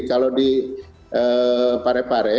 kalau di pare pare